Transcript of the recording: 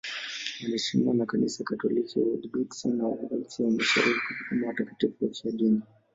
Wanaheshimiwa na Kanisa Katoliki, Waorthodoksi na Waorthodoksi wa Mashariki kama watakatifu wafiadini.